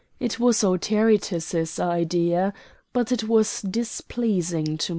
It was Autaritus's idea; but it was displeasing to Matho.